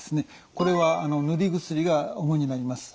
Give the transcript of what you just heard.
これは塗り薬が主になります。